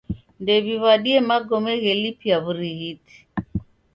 Ndew'iw'adie magome ghelipia w'urighiti.